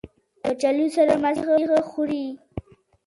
کچالو سره مستې ښه خوري